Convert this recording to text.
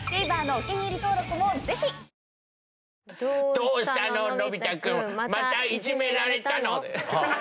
「どうしたののび太くんまたいじめられたの？」